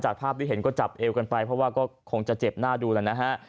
ภาพที่เห็นก็จับเอวกันไปเพราะว่าก็คงจะเจ็บหน้าดูแล้วนะฮะ